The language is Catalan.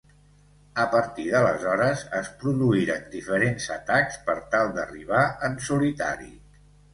A partir d'aleshores es produïren diferents atacs per tal d'arribar en solitari.